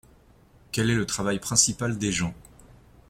Quel est le travail principal des gens ?